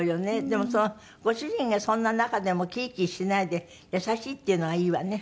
でもご主人がそんな中でもキーキーしないで優しいっていうのがいいわね。